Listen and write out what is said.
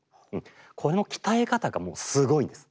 この鍛え方がもうすごいんです。